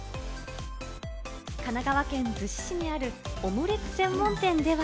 神奈川県逗子市にあるオムレツ専門店では。